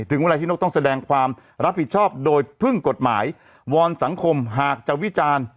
ถึงเวลาที่นกต้องแสดงความรับผิดชอบโดยพึ่งกฎหมายวอนสังคมหากจะวิจารณ์